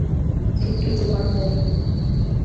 বিট্টো, তোমার ফোন।